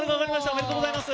おめでとうございます。